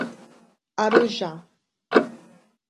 Arujá